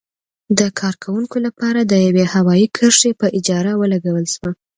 د کارکوونکو لپاره د یوې هوايي کرښې په اجاره ولګول شوه.